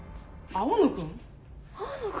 青野君？